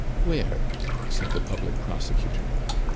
"Where?" said the public prosecutor.